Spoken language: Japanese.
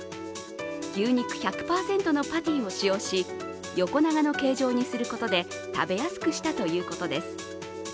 牛肉１００％のパティを使用し横長の形状にすることで食べやすくしたということです。